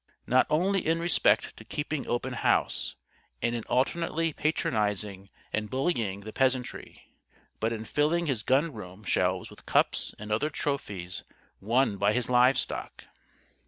Not only in respect to keeping open house and in alternately patronizing and bullying the peasantry, but in filling his gun room shelves with cups and other trophies won by his livestock.